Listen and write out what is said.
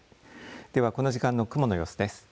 では、この時間の雲の様子です